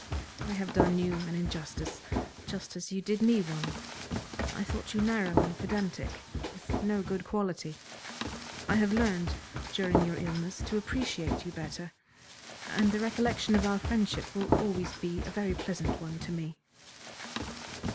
I have done you an injustice just as you did me one. I thought you narrow and pedantic, with no good quality. I have learned during your illness to appreciate you better, and the recollection of our friendship will always be a very pleasant one to me."